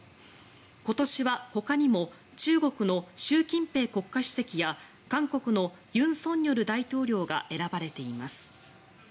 今年は、ほかにも中国の習近平国家主席や韓国の尹錫悦大統領が選ばれています。